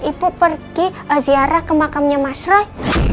ibu pergi ziarah ke makamnya mas roy